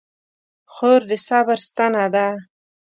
خور د صبر ستنه ده.